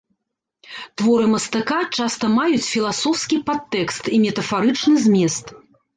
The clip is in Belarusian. Творы мастака часта маюць філасофскі падтэкст і метафарычны змест.